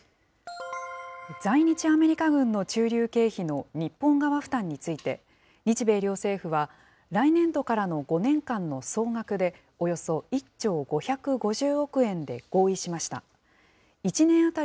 在日アメリカ軍の駐留経費の日本側負担について、日米両政府は、来年度からの５年間の総額で、およそ１兆５５０億円で合意しました。